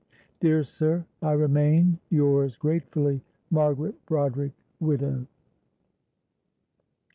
"Dear sir, I remain, "Yours gratefully, "MARGARET BRODERICK (widow)."